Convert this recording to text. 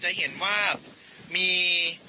จะเห็นว่ามี